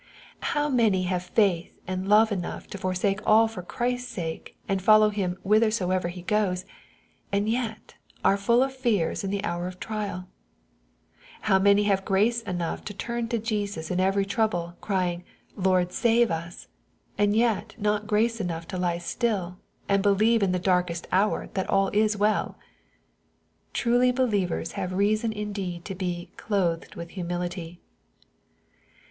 How many have faith and love enough to forsake all for Christ's sake, and follow Him whithersoever He goes, and yet are fuU of fears in the hour of trial I How many have grace enough to turn to Jesus in every trouble, crying, " Lord save us," and yet not grace enough to lie still, and believe in the darkest hour that all is well ! Truly believers have reason in deed to be " clothed with humility."